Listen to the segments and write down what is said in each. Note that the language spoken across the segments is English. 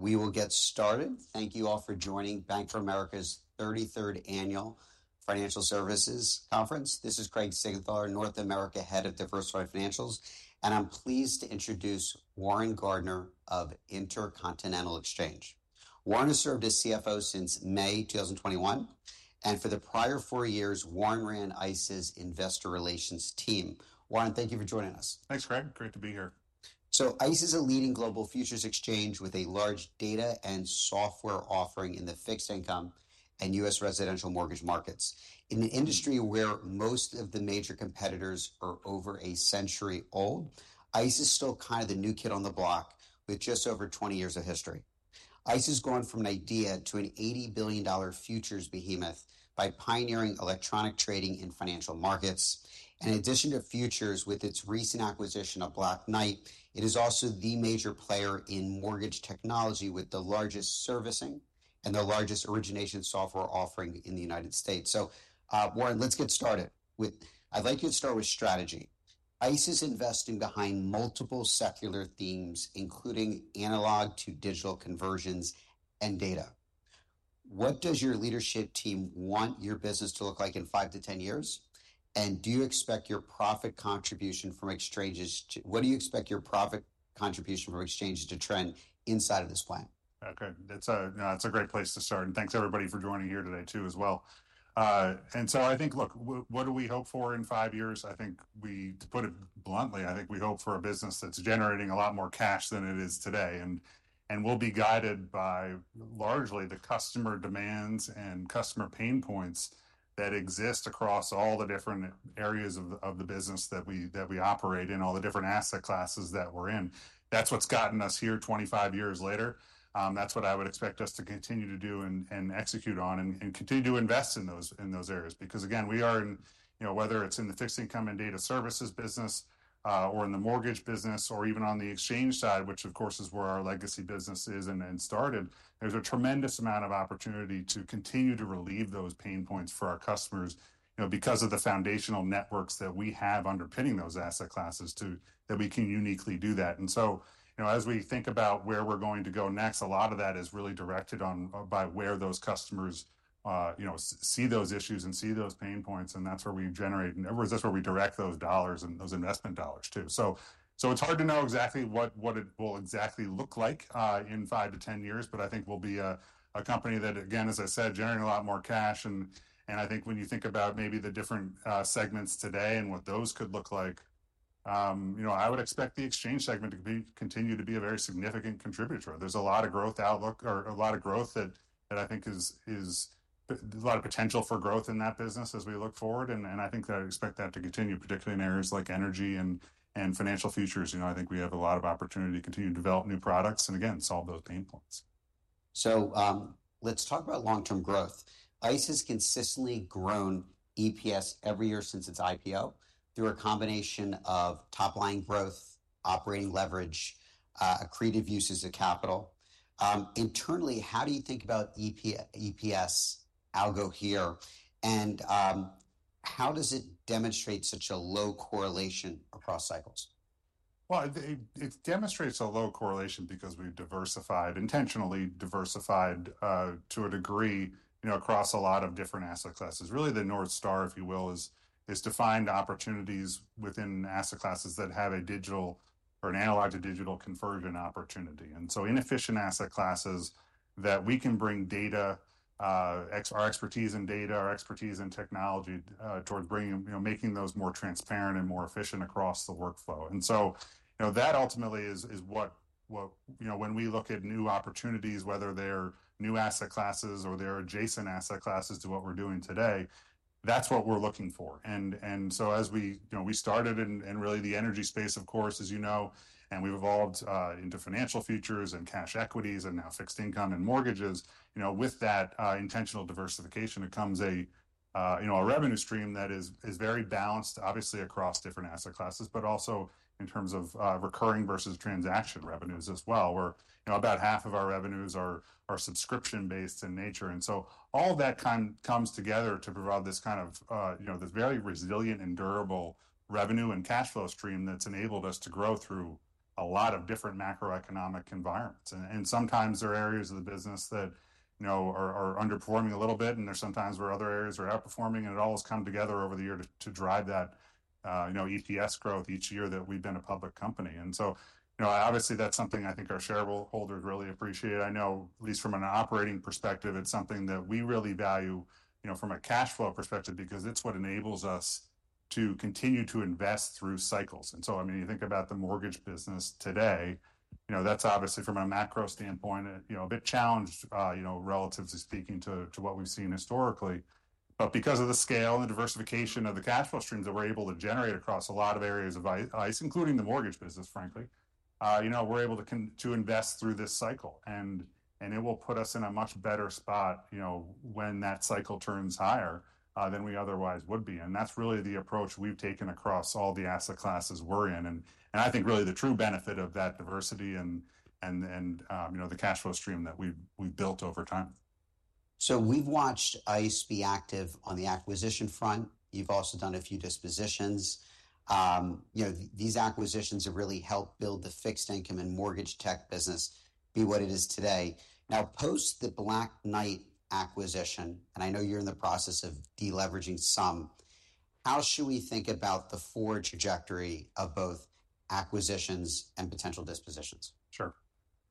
We will get started. Thank you all for joining Bank of America's 33rd Annual Financial Services Conference. This is Craig Siegenthaler, North America Head of Diversified Financials, and I'm pleased to introduce Warren Gardiner of Intercontinental Exchange. Warren has served as CFO since May 2021, and for the prior four years, Warren ran ICE's Investor Relations team. Warren, thank you for joining us. Thanks, Craig. Great to be here. So ICE is a leading global futures exchange with a large data and software offering in the fixed income and U.S. residential mortgage markets. In an industry where most of the major competitors are over a century old, ICE is still kind of the new kid on the block with just over 20 years of history. ICE has grown from an idea to an $80 billion futures behemoth by pioneering electronic trading in financial markets. In addition to futures, with its recent acquisition of Black Knight, it is also the major player in mortgage technology with the largest servicing and the largest origination software offering in the United States. So, Warren, let's get started. I'd like you to start with strategy. ICE is investing behind multiple secular themes, including analog-to-digital conversions and data. What does your leadership team want your business to look like in 5-10 years? Do you expect your profit contribution from exchanges to trend inside of this plan? Okay. That's a great place to start. And thanks, everybody, for joining here today too, as well. And so I think, look, what do we hope for in five years? I think we, to put it bluntly, I think we hope for a business that's generating a lot more cash than it is today. And we'll be guided by largely the customer demands and customer pain points that exist across all the different areas of the business that we operate in, all the different asset classes that we're in. That's what's gotten us here 25 years later. That's what I would expect us to continue to do and execute on and continue to invest in those areas. Because, again, we are in, whether it's in the Fixed Income and Data Services business or in the mortgage business or even on the exchange side, which, of course, is where our legacy business is and started, there's a tremendous amount of opportunity to continue to relieve those pain points for our customers because of the foundational networks that we have underpinning those asset classes too, that we can uniquely do that. And so, as we think about where we're going to go next, a lot of that is really directed by where those customers see those issues and see those pain points. And that's where we generate. That's where we direct those dollars and those investment dollars too.It's hard to know exactly what it will look like in 5-10 years, but I think we'll be a company that, again, as I said, generating a lot more cash. I think when you think about maybe the different segments today and what those could look like, I would expect the exchange segment to continue to be a very significant contributor. There's a lot of growth outlook or a lot of growth that I think is a lot of potential for growth in that business as we look forward. I think that I expect that to continue, particularly in areas like energy and financial futures. I think we have a lot of opportunity to continue to develop new products and, again, solve those pain points. So let's talk about long-term growth. ICE has consistently grown EPS every year since its IPO through a combination of top-line growth, operating leverage, accretive uses of capital. Internally, how do you think about EPS algo here? And how does it demonstrate such a low correlation across cycles? It demonstrates a low correlation because we've diversified, intentionally diversified to a degree across a lot of different asset classes. Really, the North Star, if you will, is defined opportunities within asset classes that have a digital or an analog-to-digital conversion opportunity. And so inefficient asset classes that we can bring data, our expertise in data, our expertise in technology towards making those more transparent and more efficient across the workflow. And so that ultimately is what, when we look at new opportunities, whether they're new asset classes or they're adjacent asset classes to what we're doing today, that's what we're looking for. And so as we started in really the energy space, of course, as you know, and we've evolved into financial futures and cash equities and now fixed income and mortgages, with that intentional diversification, it comes a revenue stream that is very balanced, obviously, across different asset classes, but also in terms of recurring versus transaction revenues as well, where about half of our revenues are subscription-based in nature. And so all that comes together to provide this kind of very resilient and durable revenue and cash flow stream that's enabled us to grow through a lot of different macroeconomic environments. And sometimes there are areas of the business that are underperforming a little bit, and there are sometimes where other areas are outperforming. And it all has come together over the year to drive that EPS growth each year that we've been a public company. And so obviously, that's something I think our shareholders really appreciate. I know, at least from an operating perspective, it's something that we really value from a cash flow perspective because it's what enables us to continue to invest through cycles. And so, I mean, you think about the mortgage business today, that's obviously from a macro standpoint, a bit challenged relatively speaking to what we've seen historically. But because of the scale and the diversification of the cash flow streams that we're able to generate across a lot of areas of ICE, including the mortgage business, frankly, we're able to invest through this cycle. And it will put us in a much better spot when that cycle turns higher than we otherwise would be. And that's really the approach we've taken across all the asset classes we're in.I think really the true benefit of that diversity and the cash flow stream that we've built over time. So we've watched ICE be active on the acquisition front. You've also done a few dispositions. These acquisitions have really helped build the fixed income and mortgage tech business be what it is today. Now, post the Black Knight acquisition, and I know you're in the process of deleveraging some, how should we think about the forward trajectory of both acquisitions and potential dispositions? Sure.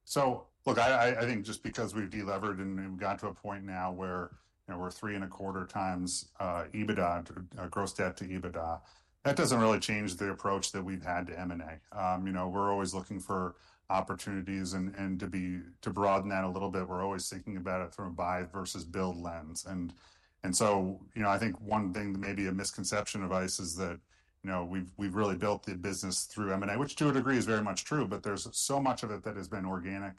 So, look, I think just because we've deleveraged and we've gotten to a point now where we're three and a quarter times EBITDA, gross debt to EBITDA, that doesn't really change the approach that we've had to M&A. We're always looking for opportunities and to broaden that a little bit. We're always thinking about it through a buy versus build lens. And so I think one thing that may be a misconception of ICE is that we've really built the business through M&A, which to a degree is very much true, but there's so much of it that has been organic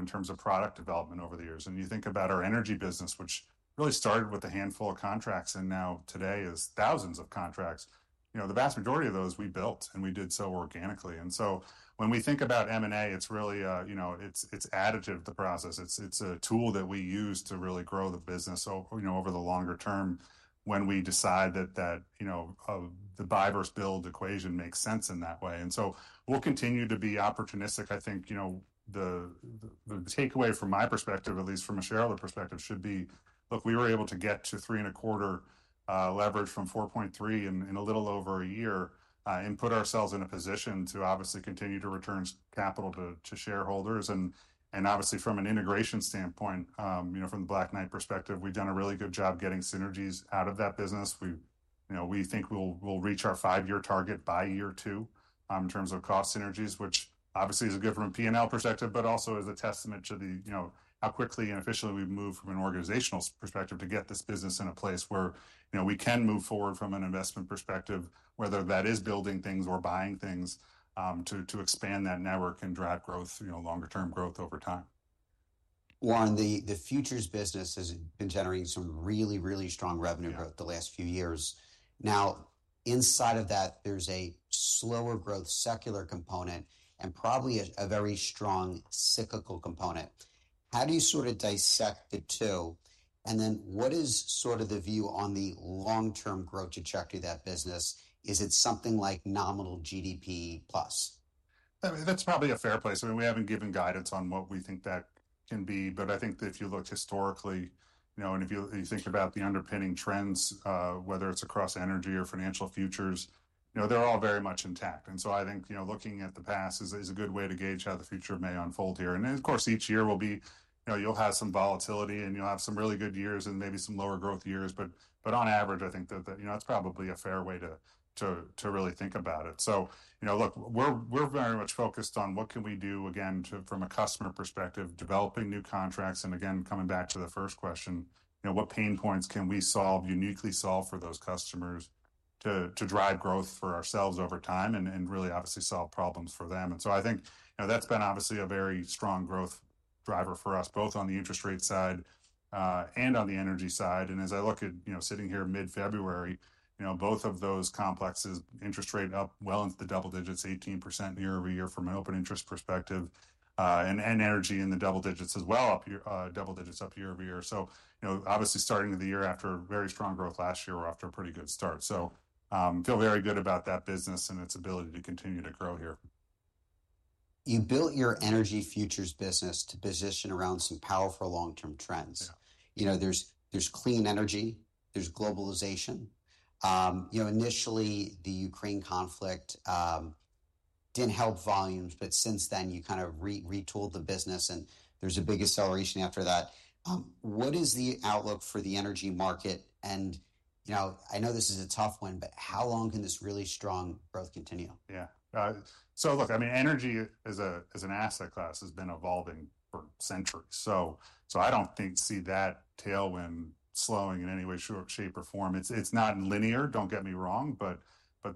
in terms of product development over the years. And you think about our energy business, which really started with a handful of contracts and now today is thousands of contracts. The vast majority of those we built, and we did so organically. And so when we think about M&A, it's really additive to the process. It's a tool that we use to really grow the business over the longer term when we decide that the buy versus build equation makes sense in that way. And so we'll continue to be opportunistic. I think the takeaway from my perspective, at least from a shareholder perspective, should be, look, we were able to get to three and a quarter leverage from 4.3 in a little over a year and put ourselves in a position to obviously continue to return capital to shareholders. And obviously, from an integration standpoint, from the Black Knight perspective, we've done a really good job getting synergies out of that business. We think we'll reach our five-year target by year two in terms of cost synergies, which obviously is a good from a P&L perspective, but also is a testament to how quickly and efficiently we've moved from an organizational perspective to get this business in a place where we can move forward from an investment perspective, whether that is building things or buying things, to expand that network and drive growth, longer-term growth over time. Warren, the futures business has been generating some really, really strong revenue growth the last few years. Now, inside of that, there's a slower growth secular component and probably a very strong cyclical component. How do you sort of dissect the two? And then what is sort of the view on the long-term growth trajectory of that business? Is it something like nominal GDP plus? That's probably a fair place. I mean, we haven't given guidance on what we think that can be. But I think if you look historically and if you think about the underpinning trends, whether it's across energy or financial futures, they're all very much intact. And so I think looking at the past is a good way to gauge how the future may unfold here. And of course, each year will be. You'll have some volatility and you'll have some really good years and maybe some lower growth years. But on average, I think that's probably a fair way to really think about it. So, look, we're very much focused on what can we do, again, from a customer perspective, developing new contracts. And again, coming back to the first question, what pain points can we solve, uniquely solve for those customers to drive growth for ourselves over time and really, obviously, solve problems for them? And so I think that's been obviously a very strong growth driver for us, both on the interest rate side and on the energy side. And as I look at sitting here mid-February, both of those complexes, interest rate up well into the double digits, 18% year over year from an open interest perspective, and energy in the double digits as well, double digits up year over year. So obviously, starting the year after very strong growth last year or after a pretty good start. So I feel very good about that business and its ability to continue to grow here. You built your energy futures business to position around some powerful long-term trends. There's clean energy, there's globalization. Initially, the Ukraine conflict didn't help volumes, but since then, you kind of retooled the business, and there's a big acceleration after that. What is the outlook for the energy market? And I know this is a tough one, but how long can this really strong growth continue? Yeah. So, look, I mean, energy as an asset class has been evolving for centuries. So I don't see that tailwind slowing in any way, shape, or form. It's not linear, don't get me wrong, but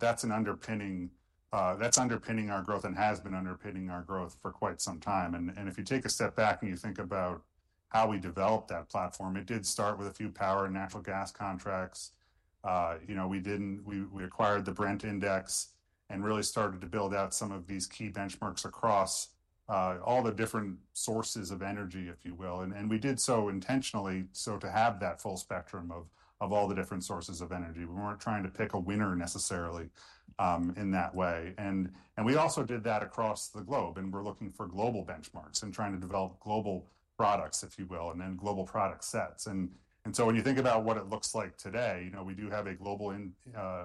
that's underpinning our growth and has been underpinning our growth for quite some time. And if you take a step back and you think about how we developed that platform, it did start with a few power and natural gas contracts. We acquired the Brent Index and really started to build out some of these key benchmarks across all the different sources of energy, if you will. And we did so intentionally to have that full spectrum of all the different sources of energy. We weren't trying to pick a winner necessarily in that way. And we also did that across the globe. We're looking for global benchmarks and trying to develop global products, if you will, and then global product sets. So when you think about what it looks like today, we do have a global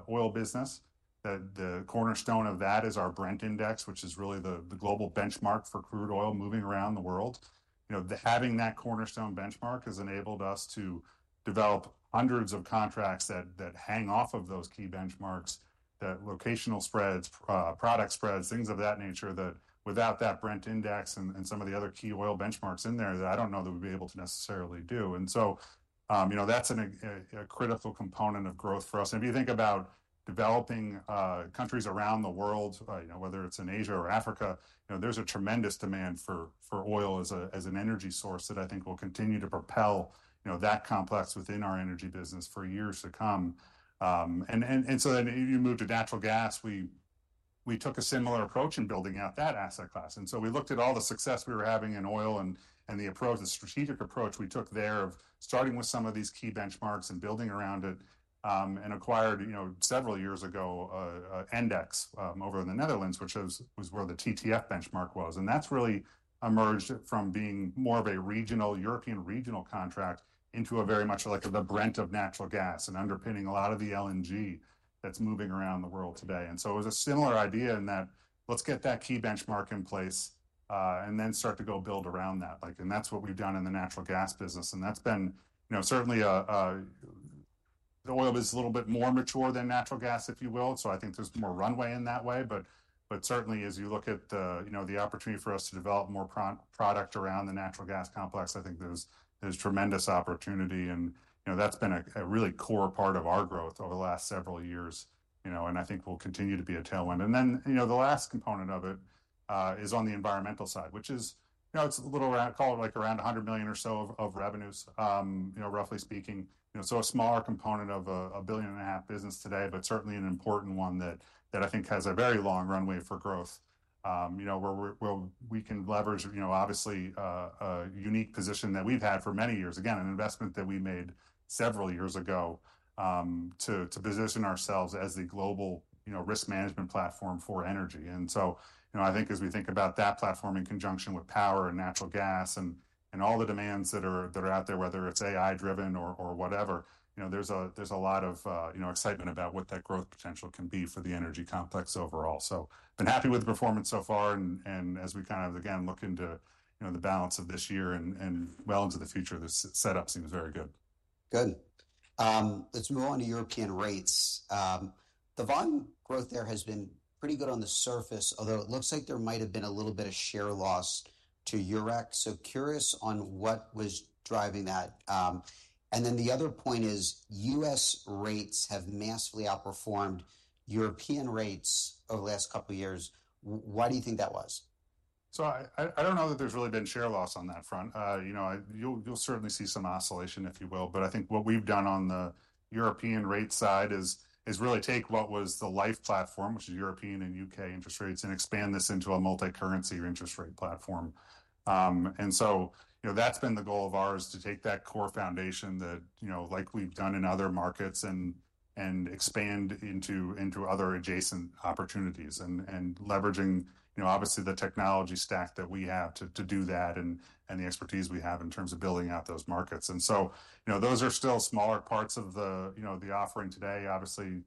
oil business. The cornerstone of that is our Brent Index, which is really the global benchmark for crude oil moving around the world. Having that cornerstone benchmark has enabled us to develop hundreds of contracts that hang off of those key benchmarks, that locational spreads, product spreads, things of that nature that without that Brent Index and some of the other key oil benchmarks in there, I don't know that we'd be able to necessarily do. So that's a critical component of growth for us. And if you think about developing countries around the world, whether it's in Asia or Africa, there's a tremendous demand for oil as an energy source that I think will continue to propel that complex within our energy business for years to come. And so then you moved to natural gas. We took a similar approach in building out that asset class. And so we looked at all the success we were having in oil and the approach, the strategic approach we took there of starting with some of these key benchmarks and building around it and acquired several years ago an index over in the Netherlands, which was where the TTF benchmark was. And that's really emerged from being more of a European regional contract into a very much like the Brent of natural gas and underpinning a lot of the LNG that's moving around the world today. And so it was a similar idea in that let's get that key benchmark in place and then start to go build around that. And that's what we've done in the natural gas business. And that's been certainly the oil is a little bit more mature than natural gas, if you will. So I think there's more runway in that way. But certainly, as you look at the opportunity for us to develop more product around the natural gas complex, I think there's tremendous opportunity. And that's been a really core part of our growth over the last several years. And I think we'll continue to be a tailwind. And then the last component of it is on the environmental side, which is, it's a little around, call it like around $100 million or so of revenues, roughly speaking.A smaller component of a $1.5 billion business today, but certainly an important one that I think has a very long runway for growth where we can leverage, obviously, a unique position that we've had for many years. Again, an investment that we made several years ago to position ourselves as the global risk management platform for energy. And so I think as we think about that platform in conjunction with power and natural gas and all the demands that are out there, whether it's AI-driven or whatever, there's a lot of excitement about what that growth potential can be for the energy complex overall. So I've been happy with the performance so far. And as we kind of, again, look into the balance of this year and well into the future, the setup seems very good. Good. Let's move on to European rates. The volume growth there has been pretty good on the surface, although it looks like there might have been a little bit of share loss to Euribor. So curious on what was driving that. And then the other point is U.S. rates have massively outperformed European rates over the last couple of years. Why do you think that was? So I don't know that there's really been share loss on that front. You'll certainly see some oscillation, if you will. But I think what we've done on the European rate side is really take what was the LIFFE platform, which is European and UK interest rates, and expand this into a multicurrency interest rate platform. And so that's been the goal of ours to take that core foundation that, like we've done in other markets, and expand into other adjacent opportunities and leveraging, obviously, the technology stack that we have to do that and the expertise we have in terms of building out those markets. And so those are still smaller parts of the offering today. Obviously,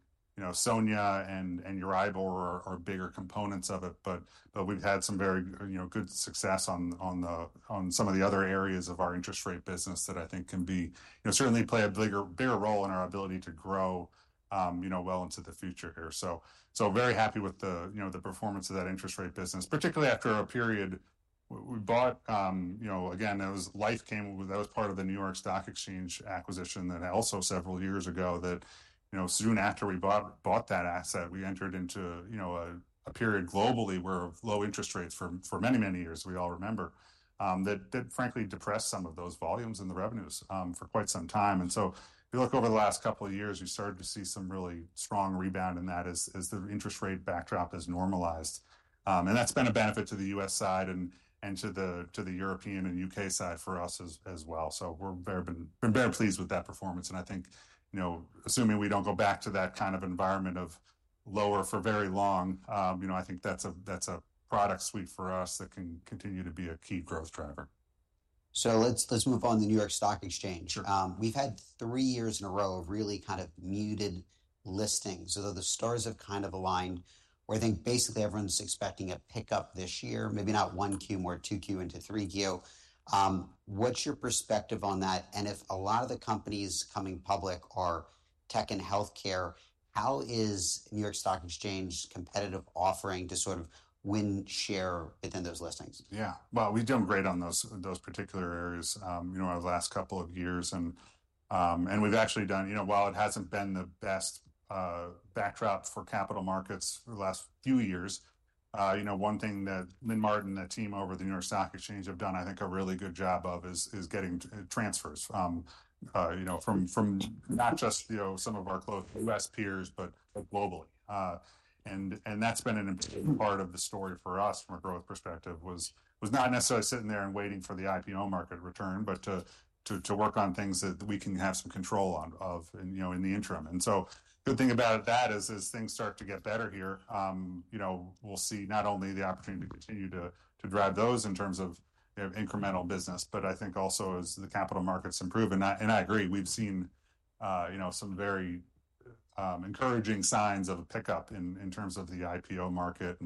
SONIA and Euribor are bigger components of it, but we've had some very good success on some of the other areas of our interest rate business that I think can certainly play a bigger role in our ability to grow well into the future here. So very happy with the performance of that interest rate business, particularly after a period we bought. Again, that was LIFFE that was part of the New York Stock Exchange acquisition and also several years ago that soon after we bought that asset, we entered into a period globally where low interest rates for many, many years, we all remember, that frankly depressed some of those volumes and the revenues for quite some time. And so if you look over the last couple of years, you started to see some really strong rebound in that as the interest rate backdrop has normalized. And that's been a benefit to the U.S. side and to the European and U.K. side for us as well. So we've been very pleased with that performance. And I think assuming we don't go back to that kind of environment of lower for very long, I think that's a product suite for us that can continue to be a key growth driver. So let's move on to the New York Stock Exchange. We've had three years in a row of really kind of muted listings, although the stars have kind of aligned where I think basically everyone's expecting a pickup this year, maybe not Q1, more Q2 into Q3. What's your perspective on that? And if a lot of the companies coming public are tech and healthcare, how is New York Stock Exchange competitive offering to sort of win share within those listings? Yeah. Well, we've done great on those particular areas over the last couple of years, and we've actually done, while it hasn't been the best backdrop for capital markets for the last few years, one thing that Lynn Martin and the team over at the New York Stock Exchange have done, I think a really good job of is getting transfers from not just some of our close U.S. peers, but globally, and that's been an important part of the story for us from a growth perspective, was not necessarily sitting there and waiting for the IPO market return, but to work on things that we can have some control of in the interim. And so the good thing about that is, as things start to get better here, we'll see not only the opportunity to continue to drive those in terms of incremental business, but I think also as the capital markets improve. And I agree, we've seen some very encouraging signs of a pickup in terms of the IPO market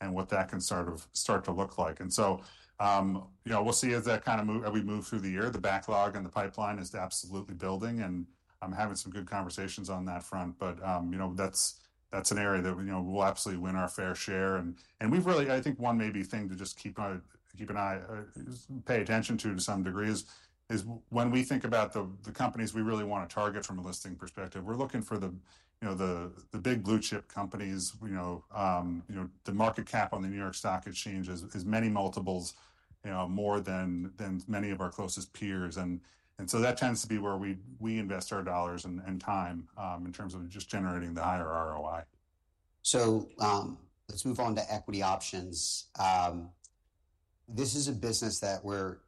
and what that can start to look like. And so we'll see as that kind of move as we move through the year, the backlog and the pipeline is absolutely building and having some good conversations on that front. But that's an area that we'll absolutely win our fair share. And we've really, I think one maybe thing to just keep an eye, pay attention to some degree is when we think about the companies we really want to target from a listing perspective, we're looking for the big blue chip companies. The market cap on the New York Stock Exchange is many multiples more than many of our closest peers. And so that tends to be where we invest our dollars and time in terms of just generating the higher ROI. So let's move on to equity options. This is a business where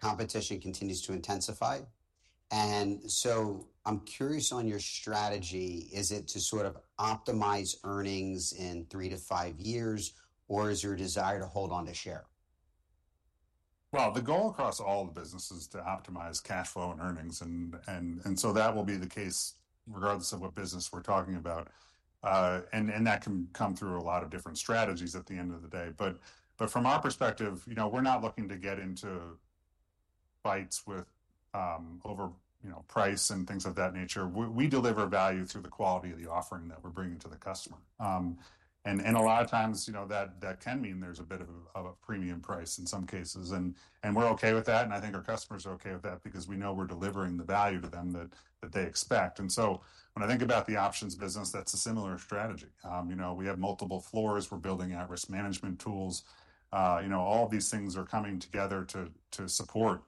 competition continues to intensify. And so I'm curious on your strategy. Is it to sort of optimize earnings in three to five years, or is your desire to hold on to share? The goal across all the businesses is to optimize cash flow and earnings. And so that will be the case regardless of what business we're talking about. And that can come through a lot of different strategies at the end of the day. But from our perspective, we're not looking to get into fights with overpricing and things of that nature. We deliver value through the quality of the offering that we're bringing to the customer. And a lot of times that can mean there's a bit of a premium price in some cases. And we're okay with that. And I think our customers are okay with that because we know we're delivering the value to them that they expect. And so when I think about the options business, that's a similar strategy. We have multiple floors. We're building out risk management tools. All of these things are coming together to support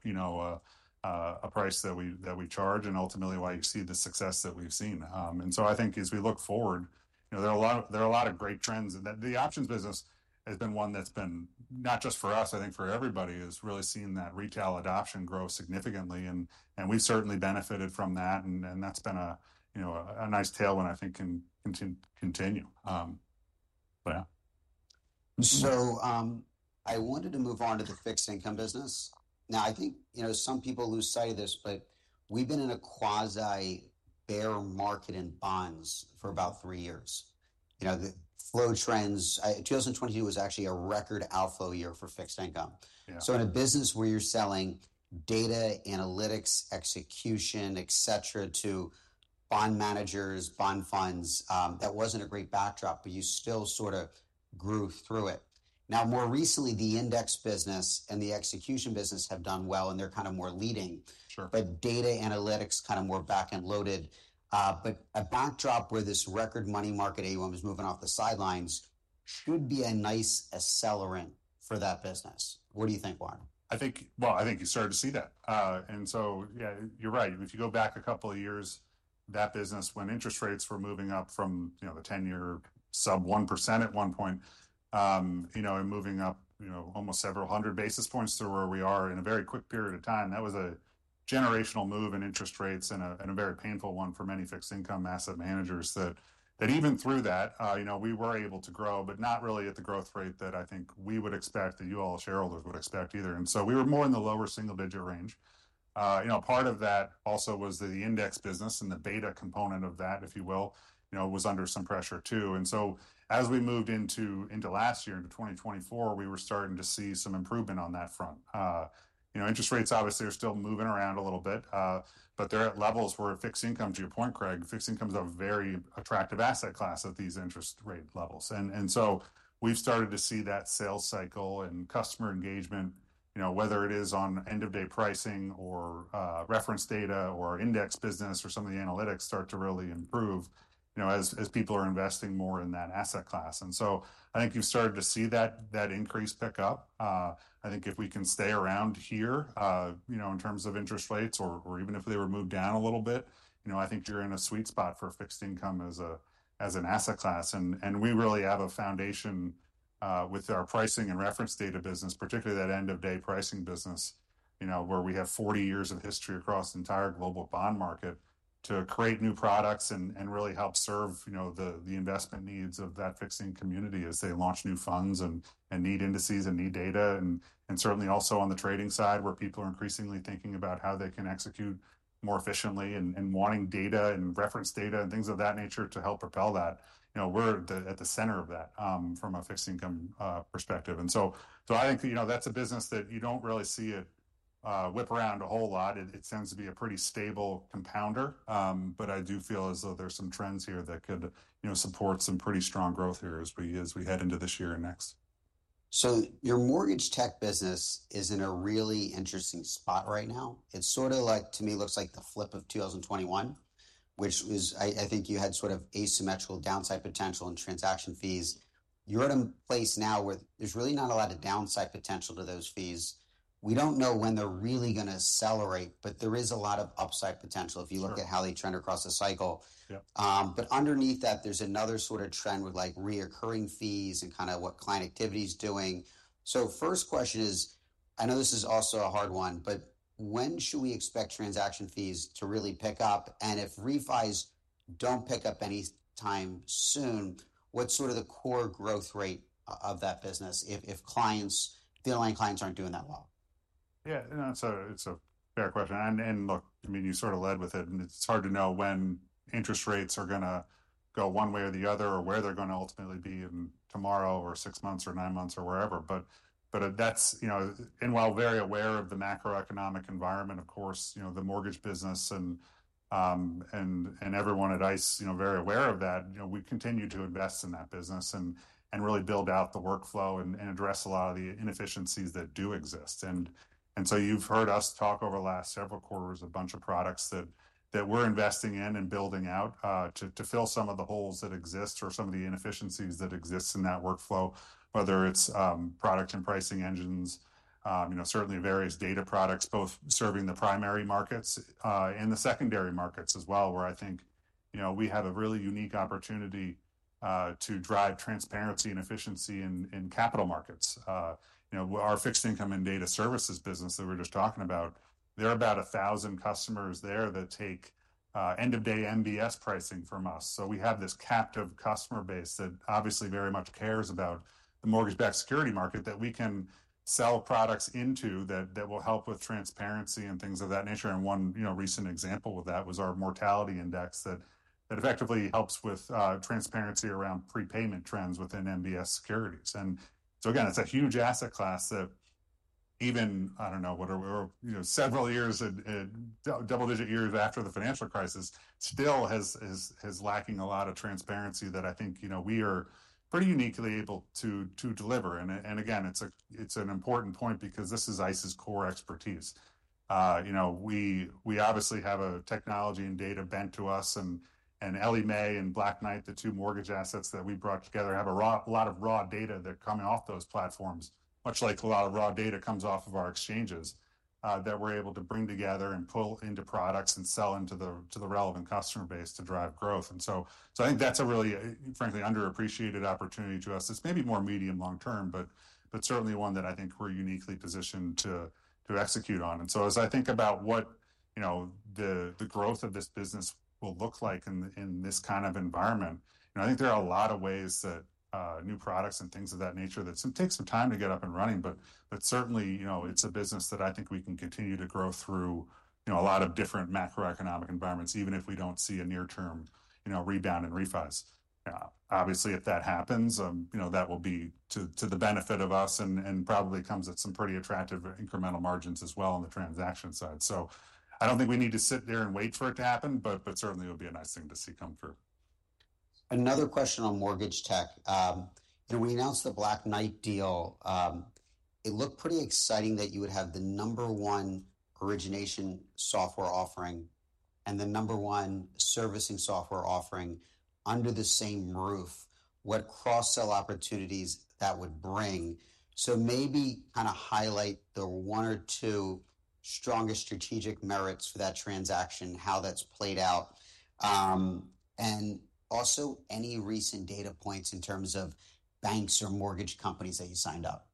a price that we charge and ultimately why you see the success that we've seen. And so I think as we look forward, there are a lot of great trends. And the options business has been one that's been not just for us, I think for everybody has really seen that retail adoption grow significantly. And we've certainly benefited from that. And that's been a nice tailwind I think can continue. But yeah. I wanted to move on to the fixed income business. Now, I think some people lose sight of this, but we've been in a quasi bear market in bonds for about three years. The flow trends, 2022 was actually a record outflow year for fixed income. In a business where you're selling data, analytics, execution, etc. to bond managers, bond funds, that wasn't a great backdrop, but you still sort of grew through it. Now, more recently, the index business and the execution business have done well, and they're kind of more leading, but data analytics kind of more back-end loaded. A backdrop where this record money market AUM was moving off the sidelines should be a nice accelerant for that business. What do you think, Warren? I think you started to see that. Yeah, you're right. If you go back a couple of years, that business when interest rates were moving up from the 10-year sub 1% at one point and moving up almost several hundred basis points to where we are in a very quick period of time, that was a generational move in interest rates and a very painful one for many fixed income asset managers. Even through that, we were able to grow, but not really at the growth rate that I think we would expect that you all shareholders would expect either. We were more in the lower single-digit range. Part of that also was the index business and the beta component of that, if you will, was under some pressure too. And so as we moved into last year, into 2024, we were starting to see some improvement on that front. Interest rates, obviously, are still moving around a little bit, but they're at levels where fixed income, to your point, Craig, fixed income is a very attractive asset class at these interest rate levels. And so we've started to see that sales cycle and customer engagement, whether it is on end-of-day pricing or reference data or index business or some of the analytics start to really improve as people are investing more in that asset class. And so I think you've started to see that increase pick up. I think if we can stay around here in terms of interest rates or even if they were moved down a little bit, I think you're in a sweet spot for fixed income as an asset class. And we really have a foundation with our Pricing and Reference Data business, particularly that end-of-day pricing business where we have 40 years of history across the entire global bond market to create new products and really help serve the investment needs of that Fixed Income community as they launch new funds and need indices and need data. And certainly also on the trading side where people are increasingly thinking about how they can execute more efficiently and wanting data and reference data and things of that nature to help propel that. We're at the center of that from a Fixed Income perspective. And so I think that's a business that you don't really see it whip around a whole lot.It tends to be a pretty stable compounder, but I do feel as though there's some trends here that could support some pretty strong growth here as we head into this year and next. So your mortgage tech business is in a really interesting spot right now. It sort of like, to me, looks like the flip of 2021, which was, I think you had sort of asymmetrical downside potential and transaction fees. You're in a place now where there's really not a lot of downside potential to those fees. We don't know when they're really going to accelerate, but there is a lot of upside potential if you look at how they trend across the cycle. But underneath that, there's another sort of trend with recurring fees and kind of what client activity is doing. So first question is, I know this is also a hard one, but when should we expect transaction fees to really pick up? If refis don't pick up any time soon, what's sort of the core growth rate of that business if the underlying clients aren't doing that well? Yeah, it's a fair question. And look, I mean, you sort of led with it. And it's hard to know when interest rates are going to go one way or the other or where they're going to ultimately be tomorrow or six months or nine months or wherever. But that's, and while very aware of the macroeconomic environment, of course, the mortgage business and everyone at ICE, very aware of that, we continue to invest in that business and really build out the workflow and address a lot of the inefficiencies that do exist. And so you've heard us talk over the last several quarters a bunch of products that we're investing in and building out to fill some of the holes that exist or some of the inefficiencies that exist in that workflow, whether it's product and pricing engines, certainly various data products both serving the primary markets and the secondary markets as well, where I think we have a really unique opportunity to drive transparency and efficiency in capital markets. Our Fixed Income and data services business that we're just talking about, there are about 1,000 customers there that take end-of-day MBS pricing from us. So we have this captive customer base that obviously very much cares about the mortgage-backed security market that we can sell products into that will help with transparency and things of that nature. One recent example of that was our Mobility Index that effectively helps with transparency around prepayment trends within MBS securities. So again, it's a huge asset class that even, I don't know, several years, double-digit years after the financial crisis still has lacking a lot of transparency that I think we are pretty uniquely able to deliver. Again, it's an important point because this is ICE's core expertise. We obviously have a technology and data bent to us. Ellie Mae and Black Knight, the two mortgage assets that we brought together, have a lot of raw data that come off those platforms, much like a lot of raw data comes off of our exchanges that we're able to bring together and pull into products and sell into the relevant customer base to drive growth. So I think that's a really, frankly, underappreciated opportunity to us. It's maybe more medium long term, but certainly one that I think we're uniquely positioned to execute on. And so as I think about what the growth of this business will look like in this kind of environment, I think there are a lot of ways that new products and things of that nature that take some time to get up and running. But certainly, it's a business that I think we can continue to grow through a lot of different macroeconomic environments, even if we don't see a near-term rebound in refis. Obviously, if that happens, that will be to the benefit of us and probably comes at some pretty attractive incremental margins as well on the transaction side. So I don't think we need to sit there and wait for it to happen, but certainly it would be a nice thing to see come through. Another question on mortgage tech. We announced the Black Knight deal. It looked pretty exciting that you would have the number one origination software offering and the number one servicing software offering under the same roof, what cross-sell opportunities that would bring. So maybe kind of highlight the one or two strongest strategic merits for that transaction, how that's played out, and also any recent data points in terms of banks or mortgage companies that you signed up.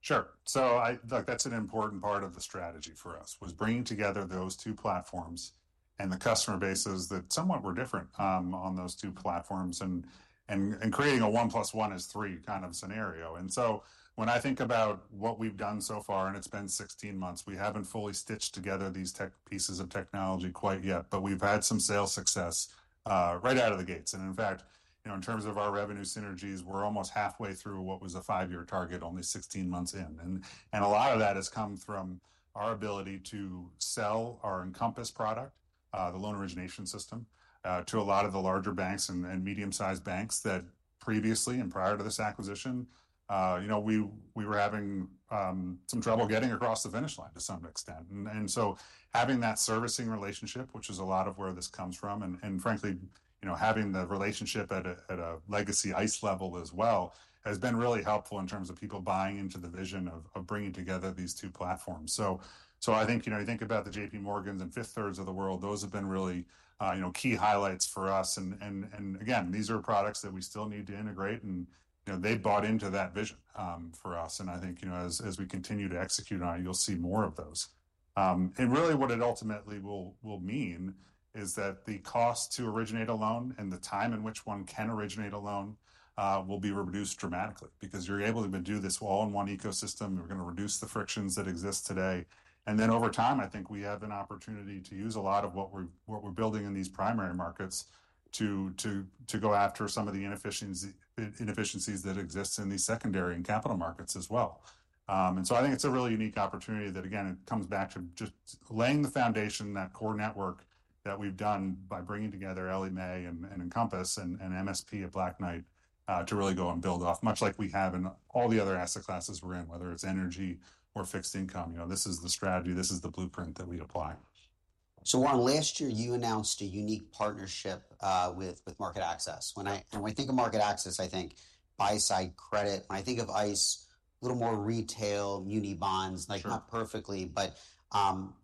Sure. So that's an important part of the strategy for us was bringing together those two platforms and the customer bases that somewhat were different on those two platforms and creating a one plus one is three kind of scenario. And so when I think about what we've done so far, and it's been 16 months, we haven't fully stitched together these pieces of technology quite yet, but we've had some sales success right out of the gates. And in fact, in terms of our revenue synergies, we're almost halfway through what was a five-year target, only 16 months in. And a lot of that has come from our ability to sell our Encompass product, the loan origination system, to a lot of the larger banks and medium-sized banks that previously and prior to this acquisition, we were having some trouble getting across the finish line to some extent. Having that servicing relationship, which is a lot of where this comes from, and frankly, having the relationship at a legacy ICE level as well has been really helpful in terms of people buying into the vision of bringing together these two platforms. So I think you think about the JPMorgan's and Fifth Thirds of the world, those have been really key highlights for us. And again, these are products that we still need to integrate, and they bought into that vision for us. And I think as we continue to execute on it, you'll see more of those. And really what it ultimately will mean is that the cost to originate a loan and the time in which one can originate a loan will be reduced dramatically because you're able to do this all in one ecosystem. We're going to reduce the frictions that exist today. And then over time, I think we have an opportunity to use a lot of what we're building in these primary markets to go after some of the inefficiencies that exist in the secondary and capital markets as well. And so I think it's a really unique opportunity that, again, it comes back to just laying the foundation, that core network that we've done by bringing together Ellie Mae and Encompass and MSP at Black Knight to really go and build off, much like we have in all the other asset classes we're in, whether it's energy or fixed income. This is the strategy. This is the blueprint that we apply. So Warren, last year you announced a unique partnership with MarketAxess. When I think of MarketAxess, I think buy-side credit. When I think of ICE, a little more retail, muni bonds, not perfectly, but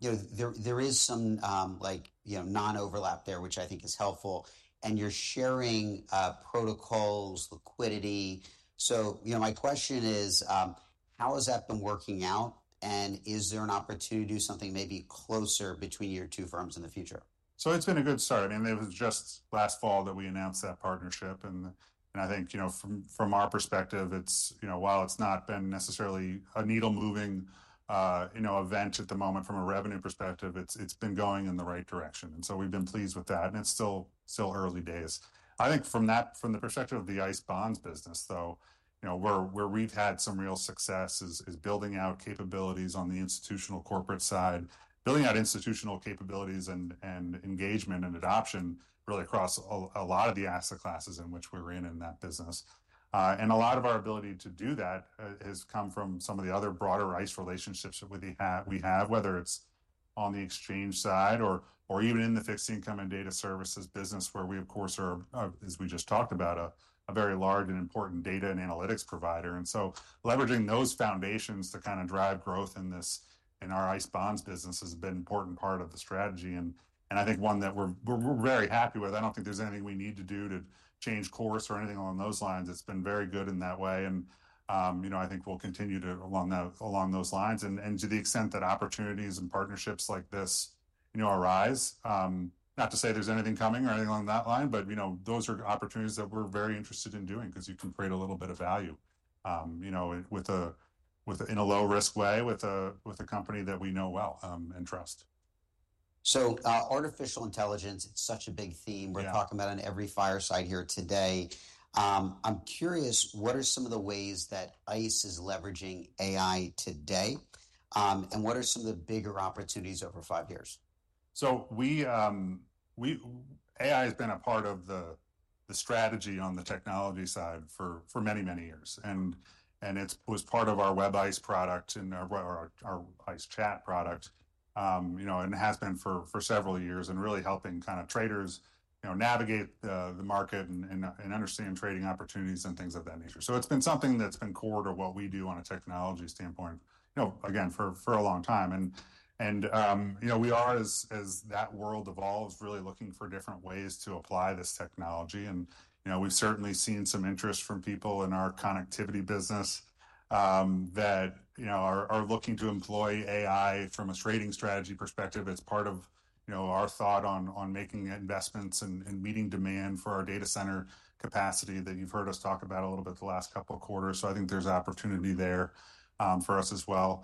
there is some non-overlap there, which I think is helpful. And you're sharing protocols, liquidity. So my question is, how has that been working out? And is there an opportunity to do something maybe closer between your two firms in the future? So it's been a good start. I mean, it was just last fall that we announced that partnership. And I think from our perspective, while it's not been necessarily a needle-moving event at the moment from a revenue perspective, it's been going in the right direction. And so we've been pleased with that. And it's still early days. I think from the perspective of the ICE Bonds business, though, where we've had some real success is building out capabilities on the institutional corporate side, building out institutional capabilities and engagement and adoption really across a lot of the asset classes in which we're in that business. And a lot of our ability to do that has come from some of the other broader ICE relationships that we have, whether it's on the exchange side or even in the fixed income and data services business, where we, of course, are, as we just talked about, a very large and important data and analytics provider. And so leveraging those foundations to kind of drive growth in our ICE Bonds business has been an important part of the strategy. And I think one that we're very happy with. I don't think there's anything we need to do to change course or anything along those lines. It's been very good in that way. And I think we'll continue to along those lines. And to the extent that opportunities and partnerships like this arise, not to say there's anything coming or anything along that line, but those are opportunities that we're very interested in doing because you can create a little bit of value in a low-risk way with a company that we know well and trust. So artificial intelligence, it's such a big theme. We're talking about it on every fireside here today. I'm curious, what are some of the ways that ICE is leveraging AI today? And what are some of the bigger opportunities over 5 years? AI has been a part of the strategy on the technology side for many, many years. It was part of our WebICE product and our ICE Chat product, and has been for several years and really helping kind of traders navigate the market and understand trading opportunities and things of that nature. It's been something that's been core to what we do on a technology standpoint, again, for a long time. We are, as that world evolves, really looking for different ways to apply this technology. We've certainly seen some interest from people in our connectivity business that are looking to employ AI from a trading strategy perspective. It's part of our thought on making investments and meeting demand for our data center capacity that you've heard us talk about a little bit the last couple of quarters. So I think there's opportunity there for us as well.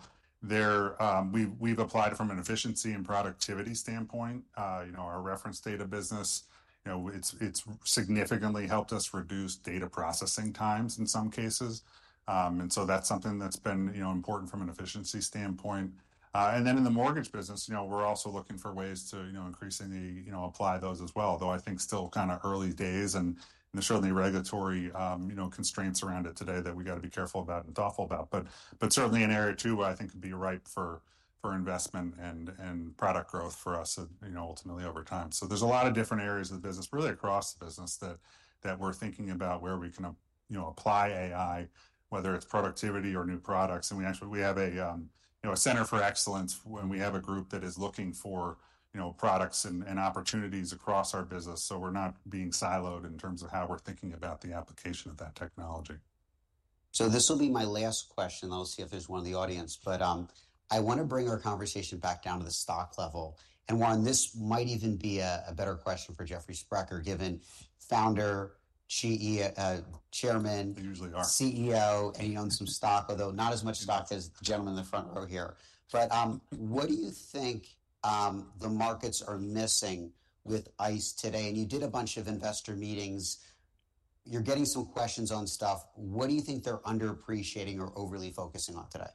We've applied from an efficiency and productivity standpoint. Our reference data business, it's significantly helped us reduce data processing times in some cases. And so that's something that's been important from an efficiency standpoint. And then in the mortgage business, we're also looking for ways to increasingly apply those as well, though I think still kind of early days and there's certainly regulatory constraints around it today that we got to be careful about and thoughtful about. But certainly an area too where I think it'd be ripe for investment and product growth for us ultimately over time. So there's a lot of different areas of the business, really across the business that we're thinking about where we can apply AI, whether it's productivity or new products. We have a center for excellence, and we have a group that is looking for products and opportunities across our business. We're not being siloed in terms of how we're thinking about the application of that technology. So this will be my last question. I'll see if there's one in the audience. But I want to bring our conversation back down to the stock level. And Warren, this might even be a better question for Jeffrey Sprecher, given founder, chairman. They usually are. CEO, and he owns some stock, although not as much stock as the gentleman in the front row here. But what do you think the markets are missing with ICE today? And you did a bunch of investor meetings. You're getting some questions on stuff. What do you think they're underappreciating or overly focusing on today?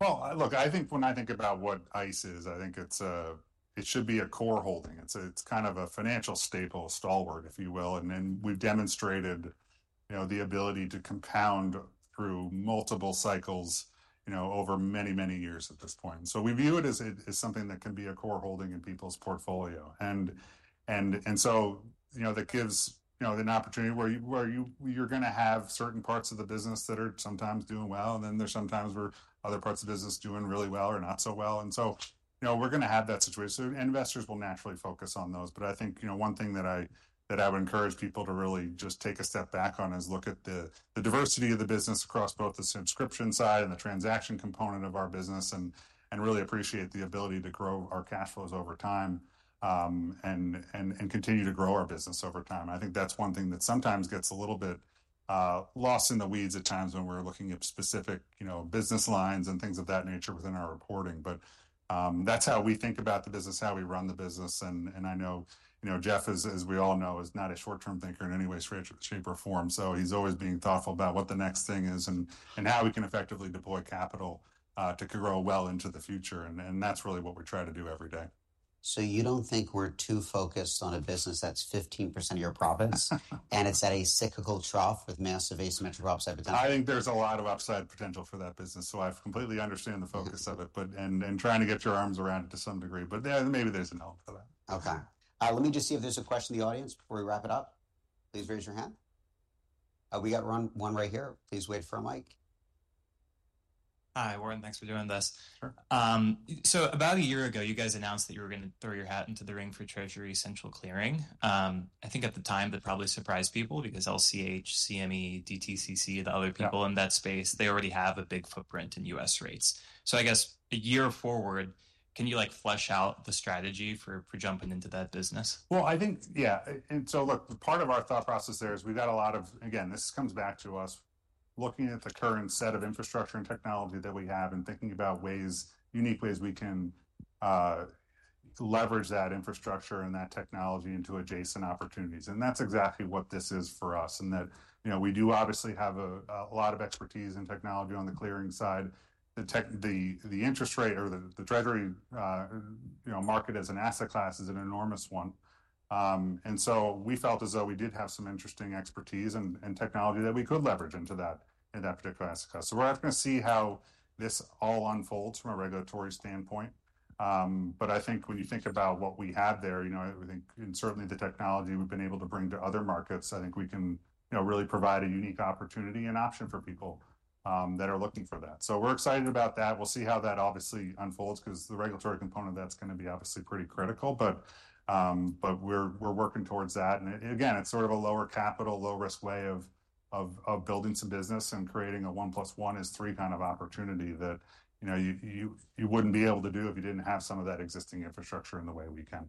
Well, look, I think when I think about what ICE is, I think it should be a core holding. It's kind of a financial staple, a stalwart, if you will, and then we've demonstrated the ability to compound through multiple cycles over many, many years at this point, so we view it as something that can be a core holding in people's portfolio, and so that gives an opportunity where you're going to have certain parts of the business that are sometimes doing well, and then there's sometimes where other parts of the business doing really well or not so well, and so we're going to have that situation, so investors will naturally focus on those. But I think one thing that I would encourage people to really just take a step back on is look at the diversity of the business across both the subscription side and the transaction component of our business and really appreciate the ability to grow our cash flows over time and continue to grow our business over time. I think that's one thing that sometimes gets a little bit lost in the weeds at times when we're looking at specific business lines and things of that nature within our reporting. But that's how we think about the business, how we run the business. And I know Jeff, as we all know, is not a short-term thinker in any way, shape, or form. So he's always being thoughtful about what the next thing is and how we can effectively deploy capital to grow well into the future. That's really what we try to do every day. So you don't think we're too focused on a business that's 15% of your profits and it's at a cyclical trough with massive asymmetric upside potential? I think there's a lot of upside potential for that business, so I completely understand the focus of it and trying to get your arms around it to some degree, but maybe there's an element of that. Okay. Let me just see if there's a question in the audience before we wrap it up. Please raise your hand. We got one right here. Please wait for a mic. Hi, Warren. Thanks for doing this. About a year ago, you guys announced that you were going to throw your hat into the ring for Treasury central clearing. I think at the time, that probably surprised people because LCH, CME, DTCC, the other people in that space, they already have a big footprint in U.S. rates. I guess a year forward, can you flesh out the strategy for jumping into that business? I think, yeah. Part of our thought process there is we've got a lot of, again, this comes back to us, looking at the current set of infrastructure and technology that we have and thinking about unique ways we can leverage that infrastructure and that technology into adjacent opportunities. That's exactly what this is for us in that we do obviously have a lot of expertise in technology on the clearing side. The interest rate or the Treasury market as an asset class is an enormous one. We felt as though we did have some interesting expertise and technology that we could leverage into that particular asset class. We're going to see how this all unfolds from a regulatory standpoint. But I think when you think about what we have there, I think certainly the technology we've been able to bring to other markets, I think we can really provide a unique opportunity and option for people that are looking for that. So we're excited about that. We'll see how that obviously unfolds because the regulatory component, that's going to be obviously pretty critical. But we're working towards that. And again, it's sort of a lower capital, low-risk way of building some business and creating a one plus one is three kind of opportunity that you wouldn't be able to do if you didn't have some of that existing infrastructure in the way we can.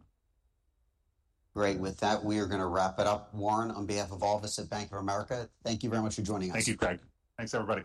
Great. With that, we are going to wrap it up. Warren, on behalf of all of us at Bank of America, thank you very much for joining us. Thank you, Craig. Thanks everybody.